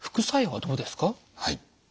はい。